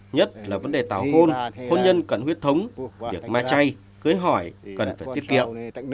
nhất là vấn đề tảo hôn hôn nhân cận huyết thống việc ma chay cưới hỏi cần phải tiết kiệm